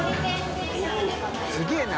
すげぇな！